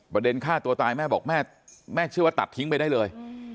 ประเด็นฆ่าตัวตายแม่บอกแม่เชื่อว่าตัดทิ้งไปได้เลย